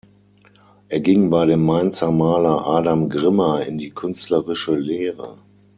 Er ging bei dem Mainzer Maler Adam Grimmer in die künstlerische Lehre.